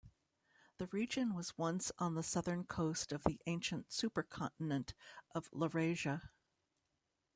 The region was once on the southern coast of the ancient supercontinent of Laurasia.